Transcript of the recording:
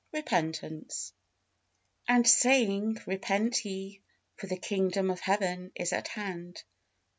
REPENTANCE, And saying, Repent ye: for the kingdom of Heaven is at band.